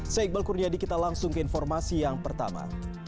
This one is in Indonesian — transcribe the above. saya iqbal kurnia dikita langsung ke informasi yang pertama